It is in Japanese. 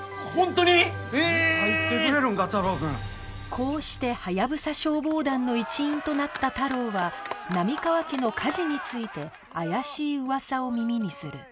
こうしてハヤブサ消防団の一員となった太郎は波川家の火事について怪しい噂を耳にする